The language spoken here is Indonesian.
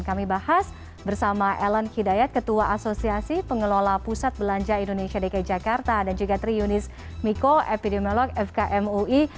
kami bahas bersama ellen hidayat ketua asosiasi pengelola pusat belanja indonesia dki jakarta dan juga tri yunis miko epidemiolog fkm ui